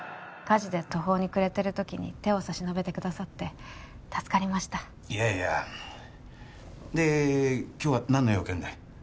火事で途方に暮れてる時に手を差し伸べてくださって助かりましたいやいやで今日は何の用件で？